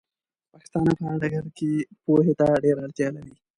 پښتانۀ په هر ډګر کې پوهې ته ډېره اړتيا لري